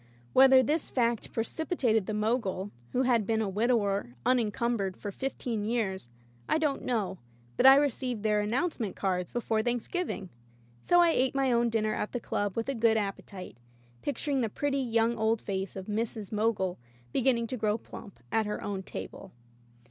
Whether this fact pre cipitated the Mogul — ^who had been a wid ower unencumbered for fifteen years — I don't know, but I received their "announce ment" cards before Thanksgiving. So I ate my own dinner at the club with a good ap petite, picturing the pretty young old face of Mrs. Mogul beginning to grow plump at her own table.